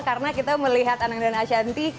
karena kita melihat anang dan asyanti